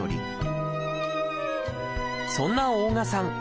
そんな大我さん